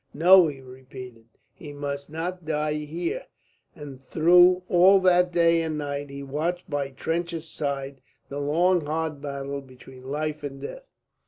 "No," he repeated, "he must not die here." And through all that day and night he watched by Trench's side the long hard battle between life and death.